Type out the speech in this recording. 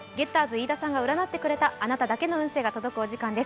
飯田さんが占ってくれたあなただけの占いが届く時間です。